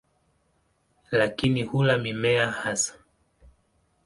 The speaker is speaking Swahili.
Lakini hula mimea hasa.